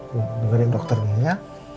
jangan dengerin dokternya ya